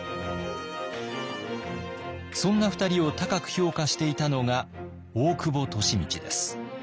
そんな２人を高く評価していたのが大久保利通です。